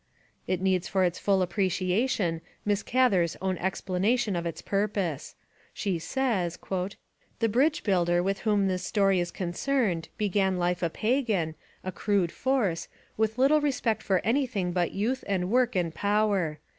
It needs for its full appreciation Miss Gather's own explication of its purpose. She says: 'The bridge builder with whom this story is con cerned began life a pagan, a crude force, with little respect for anything but youth and work and power.